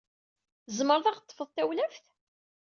Tzemreḍ ad aɣ-teṭṭfeḍ tawlaft?